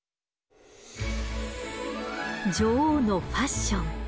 女王のファッション。